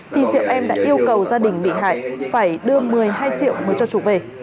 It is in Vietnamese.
thì diệu em đã yêu cầu gia đình bị hại phải đưa một mươi hai triệu mới cho chủ về